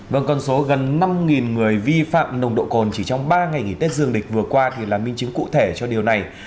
vâng con số gần năm người vi phạm nồng độ cồn chỉ trong ba ngày nghỉ tết dương lịch vừa qua thì là minh chứng cụ thể cho điều này